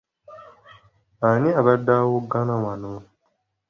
Ani abadde awoggana wano.